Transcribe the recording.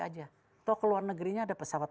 aja atau ke luar negerinya ada pesawat